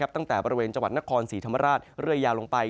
ตั้งแต่บริเวณจังหวัดนครศรีธรรมราชเรื่อยยาวลงไป